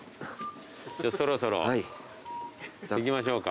そろそろ行きましょうか。